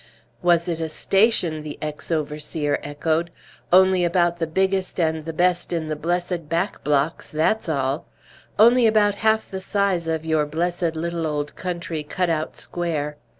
"Was it a station?" the ex overseer echoed. "Only about the biggest and the best in the blessed back blocks that's all! Only about half the size of your blessed little old country cut out square!